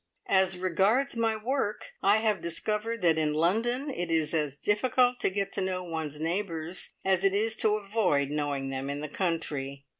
As regards my work, I have discovered that in London it is as difficult to get to know one's neighbours as it is to avoid knowing them in the country.